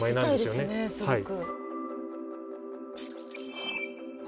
めでたいですねすごく。